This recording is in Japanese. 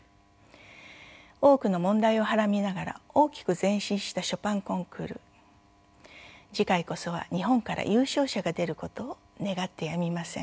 多くの問題をはらみながら大きく前進したショパンコンクール次回こそは日本から優勝者が出ることを願ってやみません。